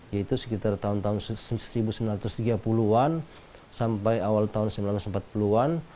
yaitu sekitar tahun tahun seribu sembilan ratus tiga puluh an sampai awal tahun seribu sembilan ratus empat puluh an